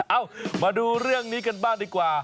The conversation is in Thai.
เอ้ามาดูเรื่องนี้กันบ้างดีกว่า